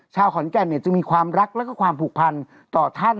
ชาวขอนแก่นจึงมีความรักแล้วก็ความผูกพันต่อท่าน